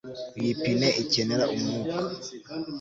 iyi pine ikenera umwuka